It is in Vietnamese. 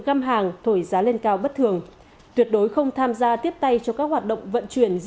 găm hàng thổi giá lên cao bất thường tuyệt đối không tham gia tiếp tay cho các hoạt động vận chuyển